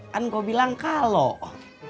kan kau bilang kalau